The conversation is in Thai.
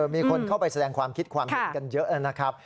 มีคนเข้าไปแสดงความคิดความเห็นกันเยอะนะครับ